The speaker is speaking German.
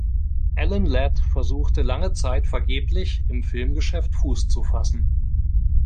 Alan Ladd versuchte lange Zeit vergeblich, im Filmgeschäft Fuß zu fassen.